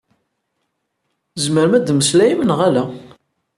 Tzemrem ad mmeslayem neɣ ala?